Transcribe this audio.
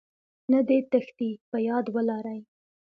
نه دې تېښتې.په ياد ولرئ